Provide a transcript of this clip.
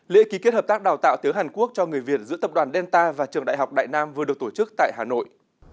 lễ ký kết hợp tác đào tạo tiếng hàn quốc cho người việt giữa tập đoàn delta và trường đại học đại nam vừa được tổ chức tại hà nội